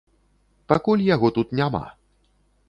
Пакуль яго тут няма.